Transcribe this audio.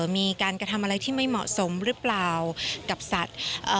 มีการกระทำอะไรที่ไม่เหมาะสมหรือเปล่ากับสัตว์